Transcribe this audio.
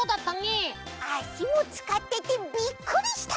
あしをつかっててびっくりした！